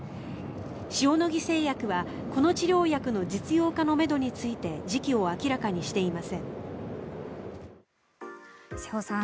塩野義製薬はこの治療薬の実用化のめどについて時期を明らかにしていません。